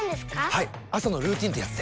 はい朝のルーティンってやつで。